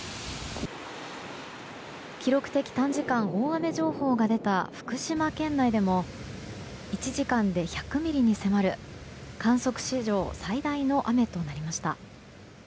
記録的短時間大雨情報が出た福島県内でも１時間で１００ミリに迫る観測史上最大の雨となりました。